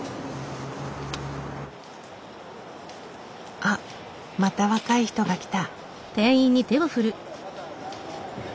あっまた若い人が来た。